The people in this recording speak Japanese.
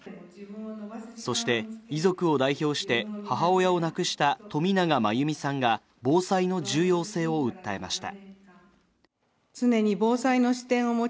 そして遺族を代表して、母親を亡くした冨永真由美さんが防災の重要性を訴えました。